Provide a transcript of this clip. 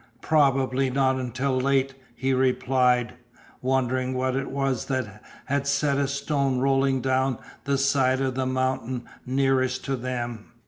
"Probably not until late," he replied, wondering what it was that had set a stone rolling down the side of the mountain nearest to them.